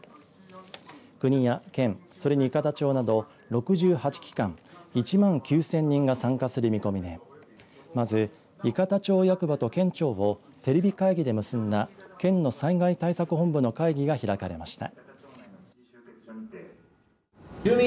国や県、それに伊方町など６８機関１万９０００人が参加する見込みでまず、伊方町役場と県庁をテレビ会議で結んだ県の災害対策本部の会議が開かれました。